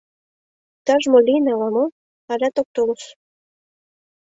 Иктаж-мо лийын ала-мо, алят ок толыс...